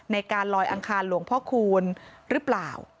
ในการลอยอังคารหลวงพ่อคูณหรือเปล่า